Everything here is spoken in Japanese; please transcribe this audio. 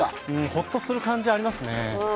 ホッとする感じがありますね。